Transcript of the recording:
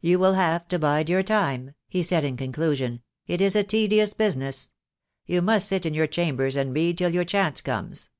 "You will have to bide your time," he said in con clusion; "it is a tedious business. You must sit in your chambers and read till your chance comes.